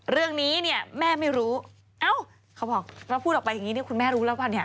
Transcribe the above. เรื่องนี้แม่ไม่รู้เอ้าเราพูดออกไปอย่างนี้คุณแม่รู้แล้วเปล่า